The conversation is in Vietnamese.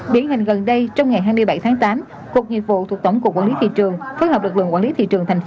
biến hành gần đây trong ngày hai mươi bảy tháng tám cục nghị vụ thuộc tổng cục quản lý thị trường